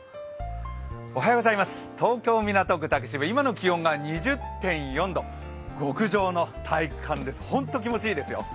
東京・港区竹芝、今の気温が２０．４度、極上の体感でほんと気持ちいいですよ。